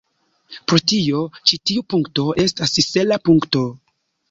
Pro tio, ĉi tiu punkto estas sela punkto.